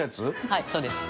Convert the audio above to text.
はいそうです。